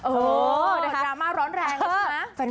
โอ้ดราม่าร้อนแรงใช่ไหม